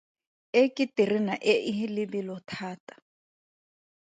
E ke terena e e lebelo thata.